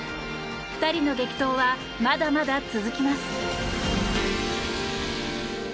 ２人の激闘はまだまだ続きます。